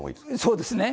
そうですね。